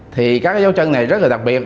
thì các dấu chân này rất là đặc biệt